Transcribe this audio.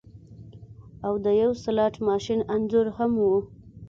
او د یو سلاټ ماشین انځور هم و